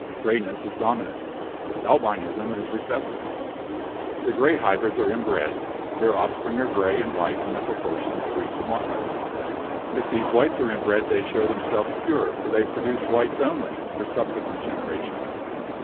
Grayness is dominant ; albinism is recessive. The gray hybrids are inbred; their offspring are gray and white in the proportion 3:1. If these whites are inbred they show themselves 'pure/ for they produce whites only for subsequent generations.